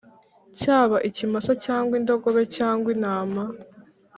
cyaba ikimasa cyangwa indogobe cyangwa intama